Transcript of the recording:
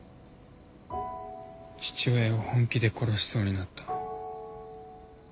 父親を本気で殺しそうになった。